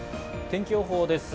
天気予報です。